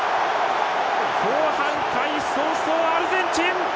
後半、開始早々、アルゼンチン！